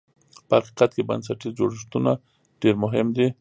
په حقیقت کې بنسټیز جوړښتونه ډېر مهم دي.